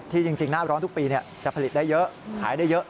จริงหน้าร้อนทุกปีจะผลิตได้เยอะขายได้เยอะ